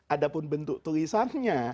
ada pun bentuk tulisannya